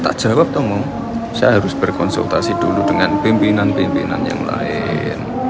itu saya tidak jawab saya harus berkonsultasi dulu dengan pimpinan pimpinan yang lain